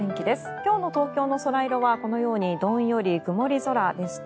今日の東京の空はこのようにどんより曇り空でした。